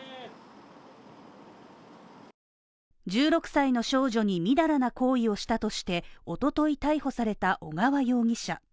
１６歳の少女にみだらな行為をしたとしておととい逮捕された小川容疑者。